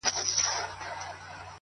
o اول بخښنه درڅه غواړمه زه ـ